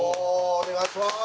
お願いします